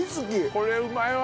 これうまいわ！